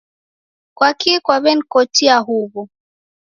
Kwakii kwaw'enikotia huwo?